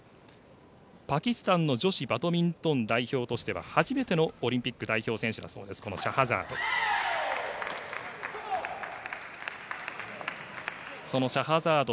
パキスタンの女子バドミントンの代表としては初めてのオリンピック代表選手だそうですシャハザード。